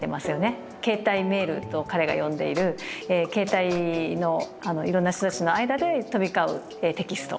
携帯メールと彼が呼んでいる携帯のいろんな人たちの間で飛び交うテキスト。